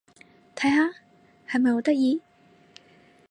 睇下！係咪好得意？